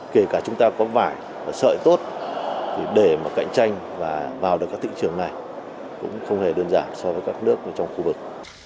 kể cả chúng ta có vải và sợi tốt thì để mà cạnh tranh và vào được các thị trường này cũng không hề đơn giản so với các nước trong khu vực